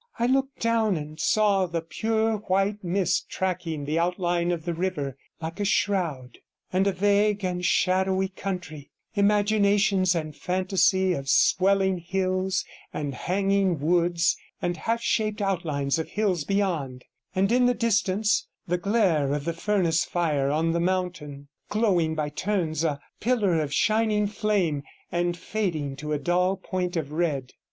I looked down and saw the pure white mist tracking the outline of the river like a shroud, and a vague and shadowy country; imaginations and fantasy of swelling hills and hanging woods, and half shaped outlines of hills beyond, and in the distance the glare of the furnace fire on the mountain, glowing by turns a pillar of shining flame and fading to a dull point of red.